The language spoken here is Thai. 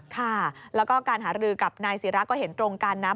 ค่ะแล้วก็การหารือกับนายศิราก็เห็นตรงกันนะ